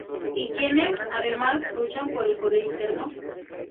Y quienes además luchan por el poder interno.